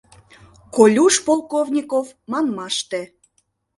Колюш Полковников манмаште.